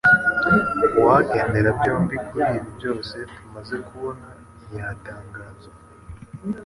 Uwagendera byonyine kuri ibi byose tumaze kubona ntiyatangazwa